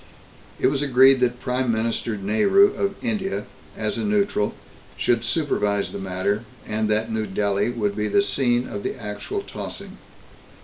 It was agreed that Prime Minister Nehru of India, as a neutral, should supervise the matter, and that New Delhi would be the scene of the actual tossing.